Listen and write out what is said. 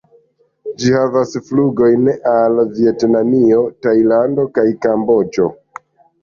Ĝi havas flugojn al Vjetnamio, Tajlando kaj Kamboĝo.